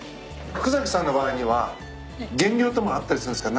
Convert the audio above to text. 福さんの場合には減量とかもあったりするんすか？